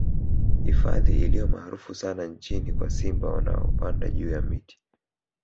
Hifadhi iliyo maarufu sana nchini kwa simba wanaopanda juu ya miti